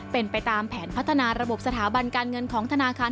เป็นไปตามแผนพัฒนาระบบสถาบันการเงินของธนาคาร